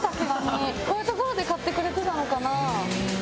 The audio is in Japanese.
こういう所で買ってくれてたのかな？